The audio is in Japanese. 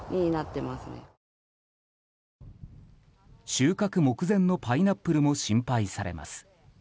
収穫目前のパイナップルも心配されます。